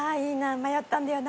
迷ったんだよな。